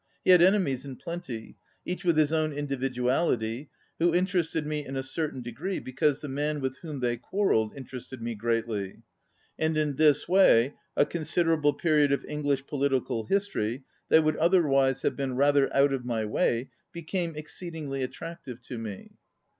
He had enemies in plenty, each with his own individuality, who interested me in a certain degree be cause the man with whom they quar relled interested me greatly; and in this way a considerable period of English political history that would otherwise have been rather out of my way became exceedingly attractive to me.